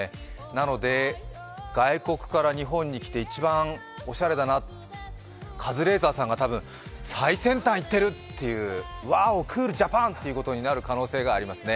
なので外国から日本へ来て一番おしゃれだな、カズレーザーさんが多分、最先端いってるっていう、ワーオ・クールジャパンということになるかもしれませんね。